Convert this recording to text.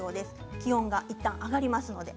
気温がいったん上がりますので。